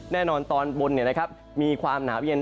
แน่นอนตอนบนมีความหนาวเย็น